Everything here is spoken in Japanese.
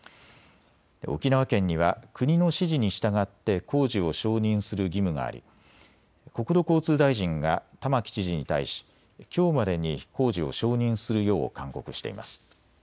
沖縄県には国の指示に従って工事を承認する義務があり国土交通大臣が玉城知事に対しきょうまでに工事を承認するよう勧告しています。